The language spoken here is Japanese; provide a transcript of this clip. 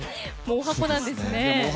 十八番なんですね。